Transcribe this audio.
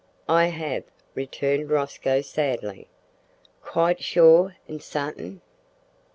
"I have," returned Rosco sadly. "Quite sure an' sartin'?"